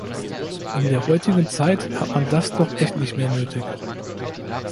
In der heutigen Zeit hat man das doch echt nicht mehr nötig!